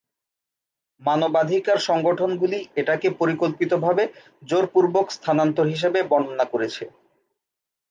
মানবাধিকার সংগঠনগুলি এটাকে পরিকল্পিতভাবে জোরপূর্বক স্থানান্তর হিসাবে বর্ণনা করেছে।